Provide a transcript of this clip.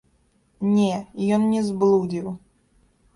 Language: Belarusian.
Не, ён не зблудзіў.